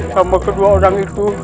sama kedua orang itu